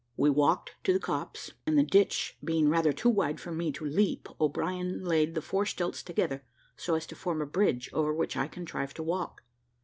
We walked to the copse, and the ditch being rather too wide for me to leap, O'Brien laid the four stilts together, so as to form a bridge, over which I contrived to walk.